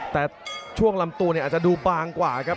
แต่ช่วงลำตูอาจจะดูบางกว่าครับ